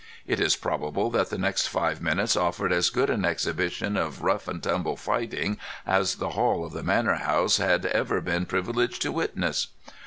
It is probable that the next five minutes offered as good an exhibition of rough and tumble fighting as the hall of the manor house had ever been privileged to witness.